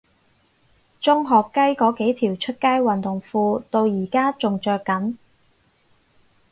中學雞嗰幾條出街運動褲到而家都仲着緊